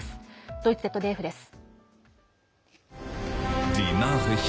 ドイツＺＤＦです。